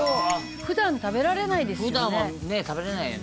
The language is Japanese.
「普段食べられないですよね？」